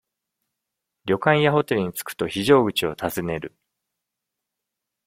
旅館やホテルに着くと、非常口を尋ねる。